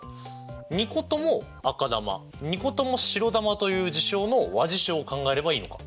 ２個とも赤球２個とも白球という事象の和事象を考えればいいのか。